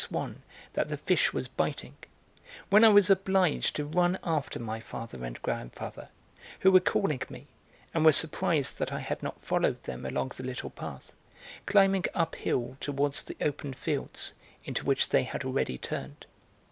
Swann that the fish was biting when I was obliged to run after my father and grandfather, who were calling me, and were surprised that I had not followed them along the little path, climbing up hill towards the open fields, into which they had already turned.